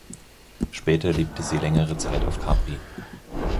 Später lebte sie längere Zeit auf Capri.